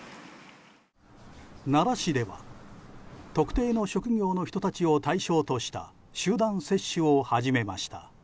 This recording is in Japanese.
奈良市では特定の職業の人たちを対象とした集団接種を始めました。